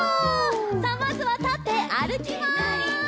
さあまずはたってあるきます！